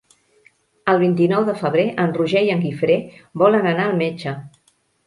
El vint-i-nou de febrer en Roger i en Guifré volen anar al metge.